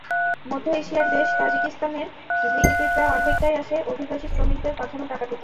মধ্য এশিয়ার দেশ তাজিকিস্তানের জিডিপির প্রায় অর্ধেকটাই আসে অভিবাসী শ্রমিকদের পাঠানো টাকা থেকে।